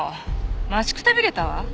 待ちくたびれたわ。